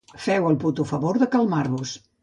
Feu el puto favor de calmar-vos.